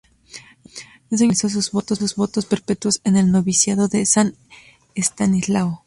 Dos años más tarde realizó sus votos perpetuos en el Noviciado de San Estanislao.